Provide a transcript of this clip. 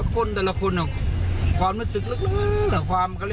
ก้นแต่ละคนความรู้สึกลึก